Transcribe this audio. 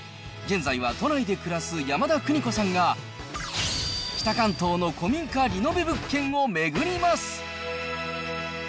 現在は都内で暮らす山田邦子さんが、北関東の古民家リノベ物件を巡ります。